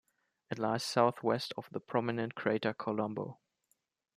It lies south-southwest of the prominent crater Colombo.